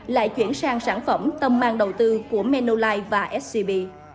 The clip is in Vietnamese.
lại chuyển sang sản phẩm tâm an đầu tư của menolite và scb